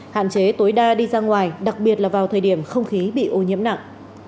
hạn chế tối đa đi ra ngoài đặc biệt là vào thời điểm không khí bị ô nhiễm nặng